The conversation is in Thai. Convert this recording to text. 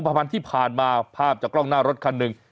ประมาณที่ผ่านมาภาพจากกล้องหน้ารถคันหนึ่ง